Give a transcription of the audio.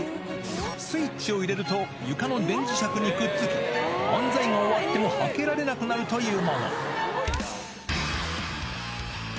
スイッチを入れると、床の電磁石にくっつき、漫才が終わってもはけられなくなるというもの。